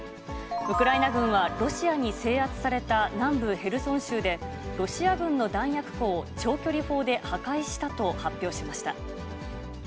ウクライナ軍は、ロシアに制圧された南部ヘルソン州で、ロシア軍の弾薬庫を長距離砲で破壊したと発表しました。